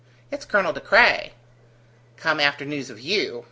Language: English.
"It's Colonel De Craye." "Come after news of you."